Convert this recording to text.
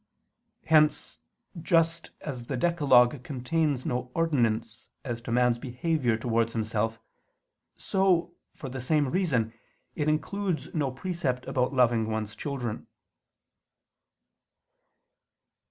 Hence, just as the decalogue contains no ordinance as to man's behavior towards himself, so, for the same reason, it includes no precept about loving one's children.